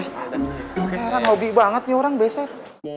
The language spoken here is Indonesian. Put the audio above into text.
heran hobi banget nih orang besek